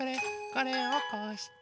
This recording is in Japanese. これをこうして。